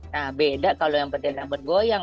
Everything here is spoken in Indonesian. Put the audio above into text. nah beda kalau yang berdendam bergoyang